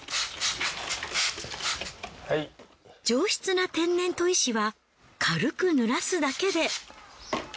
上質な天然砥石は軽く濡らすだけで。